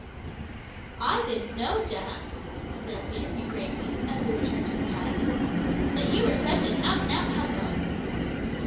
"I didn't know, Jack," observed Peterkin gravely, as we returned to our hut, "that you were such an out and out humbug."